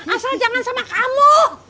asal jangan sama kamu